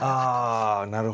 あなるほど。